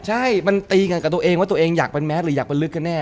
ใช่มันตีกันกับตัวเองว่าตัวเองอยากเป็นแมสหรืออยากเป็นลึกกันแน่